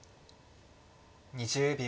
２０秒。